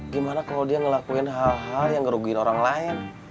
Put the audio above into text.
gimana kalau dia ngelakuin hal hal yang ngerugikan orang lain